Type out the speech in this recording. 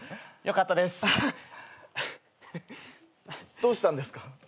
どうしたんですか？